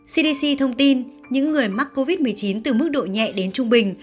cdc thông tin những người mắc covid một mươi chín từ mức độ nhẹ đến trung bình